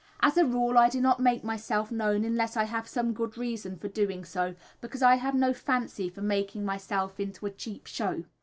As a rule, I do not make myself known unless I have some good reason for doing so, because I have no fancy for making myself into a cheap show.